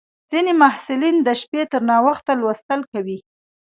ځینې محصلین د شپې تر ناوخته لوستل کوي.